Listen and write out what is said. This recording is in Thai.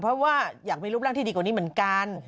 เพราะว่าอยากมีรูปร่างที่ดีกว่านี้เหมือนกัน